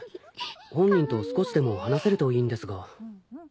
本人と少しでも話せるといいんですが。